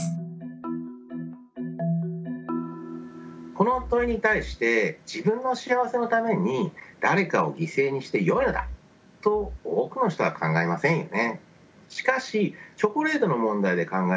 この問いに対して自分の幸せのために誰かを犠牲にしてよいのだと多くの人は考えませんよね。